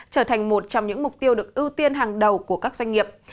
trở thành một trong những mục tiêu được ưu tiên hàng đầu của các doanh nghiệp